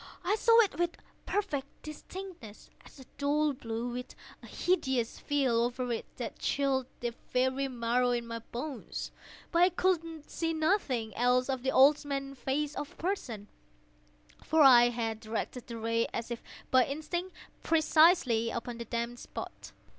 I saw it with perfect distinctness—all a dull blue, with a hideous veil over it that chilled the very marrow in my bones; but I could see nothing else of the old man's face or person: for I had directed the ray as if by instinct, precisely upon the damned spot.